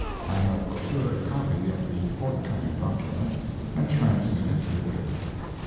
I have procured a copy of the forthcoming document, and transmit it herewith.